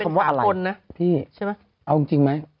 เอาจริงไหม